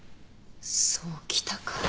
そうきたか。